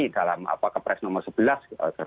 dalam kepres nomor sebelas